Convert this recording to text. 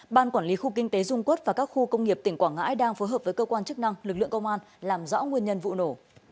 ban quản lý khu kinh tế dung quốc và các khu công nghiệp tỉnh quảng ngãi đang phối hợp với cơ quan chức năng lực lượng công an làm rõ nguyên nhân vụ nổ